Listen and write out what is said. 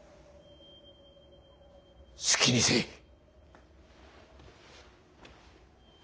好きにせい。